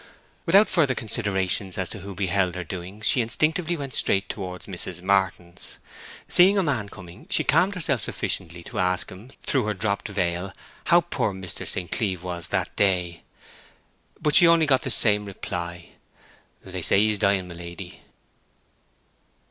Without further considerations as to who beheld her doings she instinctively went straight towards Mrs. Martin's. Seeing a man coming she calmed herself sufficiently to ask him through her dropped veil how poor Mr. St. Cleeve was that day. But she only got the same reply: 'They say he is dying, my lady.'